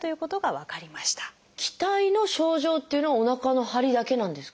気滞の症状っていうのはおなかのハリだけなんですか？